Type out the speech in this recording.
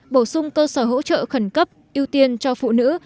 bổ sung cơ sở hỗ trợ khẩn cấp ưu tiên cho phụ nữ